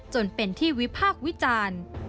จนเป็นที่วิพากษ์วิจารณ์